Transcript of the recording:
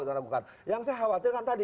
yang saya khawatirkan tadi